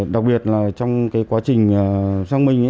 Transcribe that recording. đặc biệt là trong quá trình xong mình